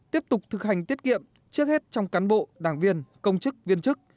tiếp tục thực hành tiết kiệm trước hết trong cán bộ đảng viên công chức viên chức